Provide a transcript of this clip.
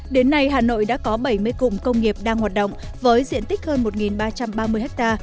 đến nay hà nội đã có bảy mươi cụm công nghiệp đang hoạt động với diện tích hơn một ba trăm ba mươi ha